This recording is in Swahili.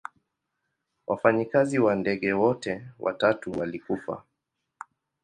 Wafanyikazi wa ndege wote watatu walikufa.